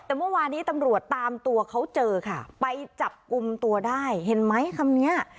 แต่เมื่อวานี้ตำรวจตามตัวเขาเจอค่ะไปจับกลุ่มตัวได้เห็นไหมคำเนี้ย